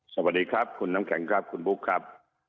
สวัสดีครับคุณน้ำแข็งครับคุณบุ๊คครับ